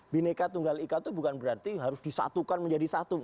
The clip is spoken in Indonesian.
bineka tunggal ika itu bukan berarti harus disatukan menjadi satu